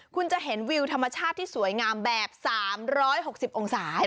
คุณจะเห็นวิวธรรมชาติที่สวยงามแบบ๓๖๐องศา